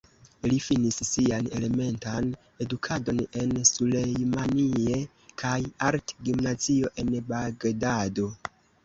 li finis sian elementan edukadon en Sulejmanie kaj art-gimnazio, en Bagdado.